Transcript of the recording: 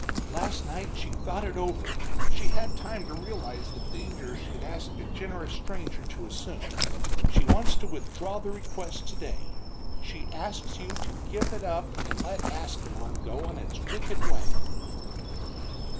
"Last night she thought it over; she had time to realize the danger she'd asked a generous stranger to assume. She wants to withdraw the request today she asks you to give it up and let Ascalon go on its wicked way."